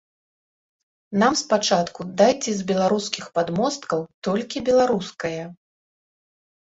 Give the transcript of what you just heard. Нам спачатку дайце з беларускіх падмосткаў толькі беларускае.